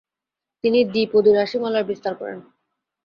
তিনি দ্বি-পদী রাশিমালার বিস্তার করেন।